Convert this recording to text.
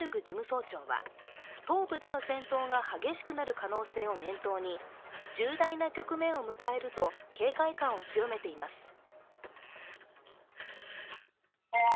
事務総長は東部での戦闘が激しくなる可能性を念頭に重大な局面を迎えると警戒感を強めています。